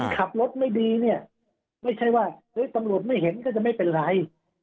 ขับรถไม่ดีเนี่ยไม่ใช่ว่าเฮ้ยตำรวจไม่เห็นก็จะไม่เป็นไร